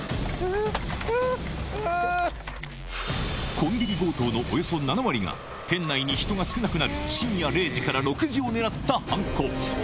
コンビニ強盗のおよそ７割が、店内に人が少なくなる深夜０時から６時を狙った犯行。